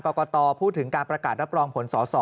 กตพูดถึงการประกาศรับรองผลสอสอ